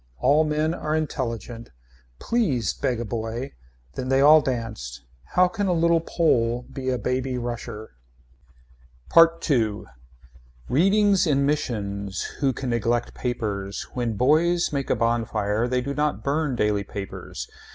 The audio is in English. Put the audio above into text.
All men are intelligent. Please beg a boy. Then they all danced. How can a little Pole be a baby rusher. PART II. Readings in missions. Who can neglect papers. When boys make a bonfire they do not burn daily papers.